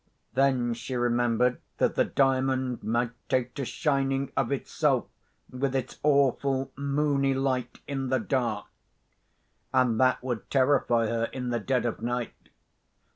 Then she remembered that the Diamond might take to shining of itself, with its awful moony light in the dark—and that would terrify her in the dead of night.